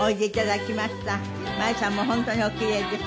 舞さんも本当にお奇麗です。